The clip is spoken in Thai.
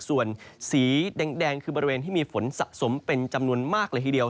ส่วนสีแดงคือบริเวณที่มีฝนสะสมเป็นจำนวนมากเลยทีเดียว